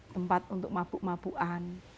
tempat untuk mabuk mabuan